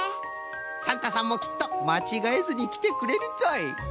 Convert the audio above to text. サンタさんもきっとまちがえずにきてくれるぞい。